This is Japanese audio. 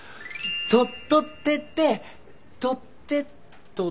とっとってってとってっとと？